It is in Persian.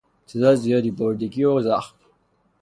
تعداد زیادی بریدگی و زخم